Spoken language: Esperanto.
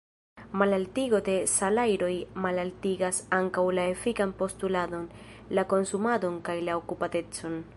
Malaltigo de salajroj malaltigas ankaŭ la efikan postuladon, la konsumadon kaj la okupatecon.